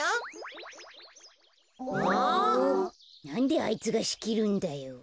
なんであいつがしきるんだよ。